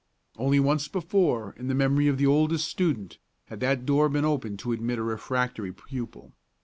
Only once before, in the memory of the oldest student, had that door been opened to admit a refractory pupil.